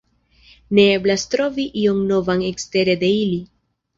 Ne eblas trovi ion novan ekstere de ili.